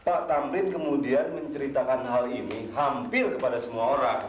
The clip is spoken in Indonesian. pak tamrin kemudian menceritakan hal ini hampir kepada semua orang